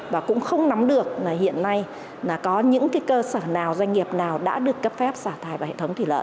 và cũng không nắm được là hiện nay là có những cơ sở nào doanh nghiệp nào đã được cấp phép xả thải vào hệ thống thủy lợi